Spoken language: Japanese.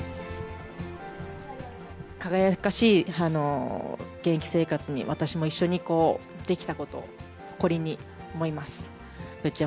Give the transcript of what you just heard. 輝かしい現役生活に、私も一緒にできたこと、誇りに思います。